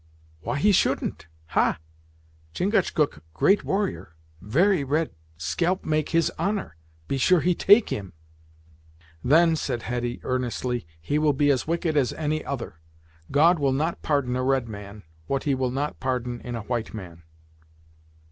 "Why he shouldn't ha? Chingachgook red warrior very red scalp make his honor Be sure he take him." "Then," said Hetty, earnestly, "he will be as wicked as any other. God will not pardon in a red man, what he will not pardon in a white man.